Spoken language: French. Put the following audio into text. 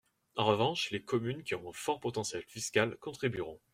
En revanche, les communes qui ont un fort potentiel fiscal contribueront.